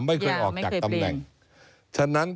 ไม่เคยออกจากตำแหน่ง